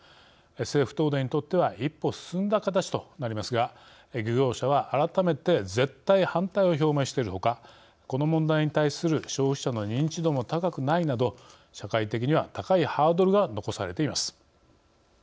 政府・東電にとっては一歩進んだ形となりますが漁業者は改めて絶対反対を表明しているほかこの問題に対する消費者の認知度も高くないなど社会的には高いハードルが残されています。